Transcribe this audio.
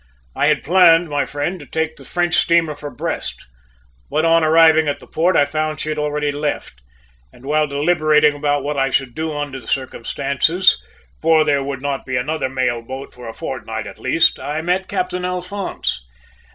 "I had planned, my friend, to take the French steamer for Brest, but on arriving at the port I found she had already left, and while deliberating about what I should do under the circumstances for there would not be another mail boat for a fortnight at least I met Captain Alphonse.